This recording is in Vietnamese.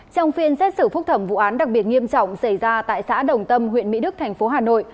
trong phiên xét xử phúc thẩm vụ án đặc biệt nghiêm trọng xảy ra tại xã đồng tâm huyện mỹ đức thành phố hà nội